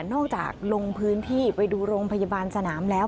ลงจากลงพื้นที่ไปดูโรงพยาบาลสนามแล้ว